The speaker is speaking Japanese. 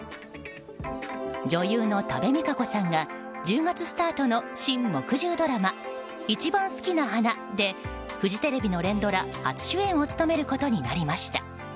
女優の多部未華子さんが１０月スタートの新木１０ドラマ「いちばんすきな花」でフジテレビの連ドラ初主演を務めることになりました。